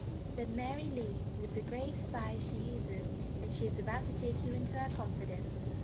said Mary Lee with the grave sigh she uses when she is about to take you into her confidence.